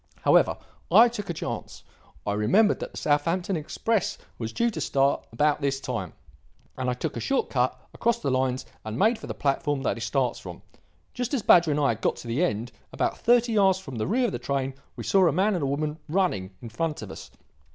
However, I took a chance. I remembered that the Southampton express was due to start about this time, and I took a short cut across the lines and made for the platform that it starts from. Just as Badger and I got to the end, about thirty yards from the rear of the train, we saw a man and a woman running in front of us.